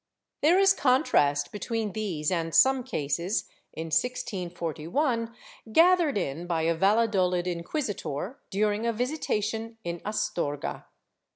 ^ There is contrast between these and some cases, in 1641, gathered in by a Valladolid inquisitor during a visitation in Astorga.